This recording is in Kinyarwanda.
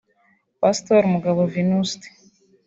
Pastor Mugabo Venuste